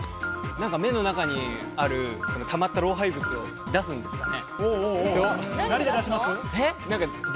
目の中にある溜まった老廃物を出すんですかね？